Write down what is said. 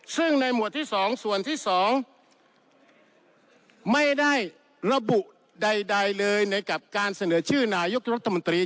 ซึ่งในหมวดที่๒ส่วนที่๒ไม่ได้ระบุใดเลยในกับการเสนอชื่อนายกรัฐมนตรี